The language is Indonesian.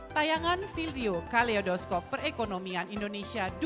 tayangan filio kaleodoskog perekonomian indonesia raya